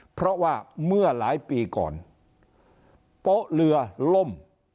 เพราะว่าเมื่อหลายปีก่อนโป๊ะเรือล่ม